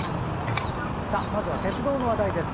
まずは鉄道の話題です。